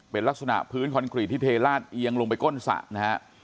เป็นลักษณะพื้นคอนกรีตที่เทลาดเอียงลงไปก้นสระนะฮะ